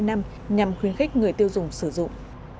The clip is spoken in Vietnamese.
nhằm khuyến khích người tiêu dùng sử dụng